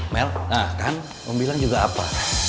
mel nah kan om bilang juga apa